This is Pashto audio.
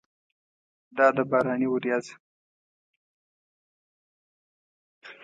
دا ده باراني ورېځه!